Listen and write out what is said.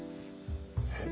えっ？